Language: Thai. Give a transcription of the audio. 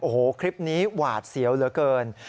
โอ้โหคลิปนี้หวาดเสียวเหลือเกิน